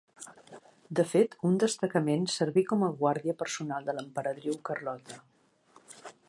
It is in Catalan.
De fet un destacament serví com a guàrdia personal de l'emperadriu Carlota.